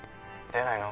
出ないの？